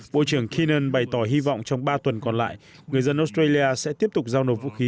bộ trưởng kenn bày tỏ hy vọng trong ba tuần còn lại người dân australia sẽ tiếp tục giao nộp vũ khí